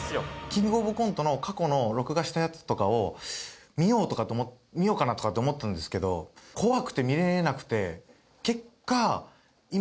キングオブコントの過去の録画したやつとかを見ようかなとかって思ったんですけど結果今何でよ？